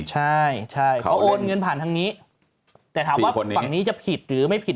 ใช่เขาโอนเงินผ่านทางนี้แต่ถามว่าฝั่งนี้จะผิดหรือไม่ผิด